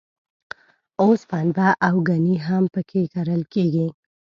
اوس پنبه او ګني هم په کې کرل کېږي.